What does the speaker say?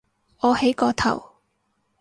我起個頭